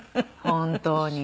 本当に。